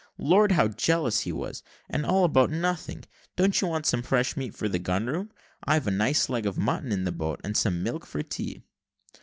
Lord, how jealous he was and all about nothing! Don't you want some fresh meat for the gun room? I've a nice leg of mutton in the boat, and some milk for tea."